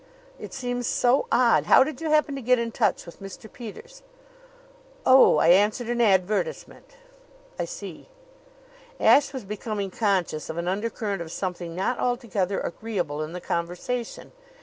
"It seems so odd. How did you happen to get in touch with Mr. Peters?" "Oh, I answered an advertisement." "I see." Ashe was becoming conscious of an undercurrent of something not altogether agreeable in the conversation.